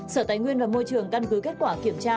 sở tài nguyên và môi trường căn cứ kết quả kiểm tra